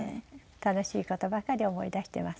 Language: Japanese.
楽しい事ばかり思い出してます。